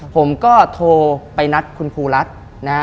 ผมก็โทรไปนัดคุณครูรัฐนะฮะ